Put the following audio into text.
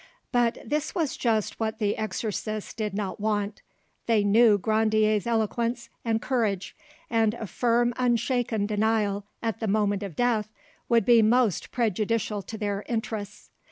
But this was just what the exorcists did not want: they knew Grandier's eloquence and courage, and a firm, unshaken denial at the moment of death would be most prejudicial to their interests.